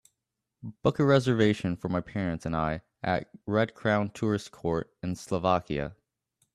Book a reservation for my parents and I at Red Crown Tourist Court in Slovakia